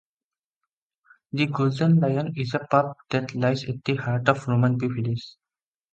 'The Golden Lion' is a Pub that lies at the heart of Romanby village.